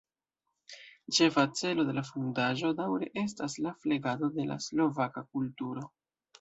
Ĉefa celo de la fondaĵo daŭre estas la flegado de la slovaka kulturo.